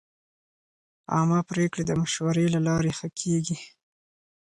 عامه پریکړې د مشورې له لارې ښه کېږي.